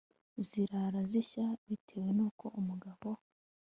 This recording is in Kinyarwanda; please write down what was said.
zirara zishya bitewe nuko umugabo